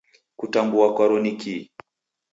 Kutambua kwaro nikii?